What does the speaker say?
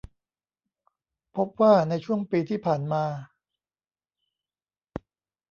พบว่าในช่วงปีที่ผ่านมา